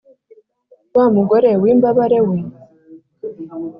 wa mugore w imbabare we?